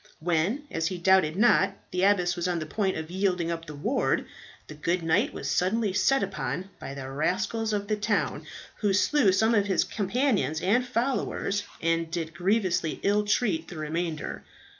When, as he doubted not, the abbess was on the point of yielding up the ward, the good knight was suddenly set upon by the rascals of the town, who slew some of his companions and followers, and did grievously ill treat the remainder.